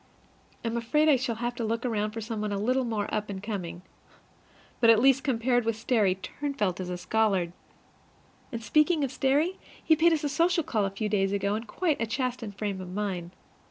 I am afraid I shall have to look about for some one a little more up and coming. But at least, compared with Sterry, Turnfelt is a scholar! And speaking of Sterry, he paid us a social call a few days ago, in quite a chastened frame of mind.